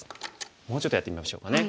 もうちょっとやってみましょうかね。